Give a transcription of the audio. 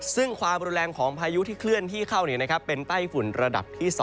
ซึ่งความรุนแรงของพายุที่เคลื่อนที่เข้าเป็นไต้ฝุ่นระดับที่๒